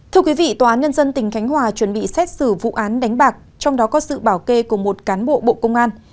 thưa quý vị tòa án nhân dân tỉnh khánh hòa chuẩn bị xét xử vụ án đánh bạc trong đó có sự bảo kê của một cán bộ bộ công an